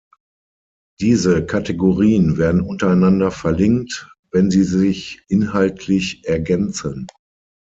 Diese Kategorien werden untereinander verlinkt, wenn sie sich inhaltlich ergänzen.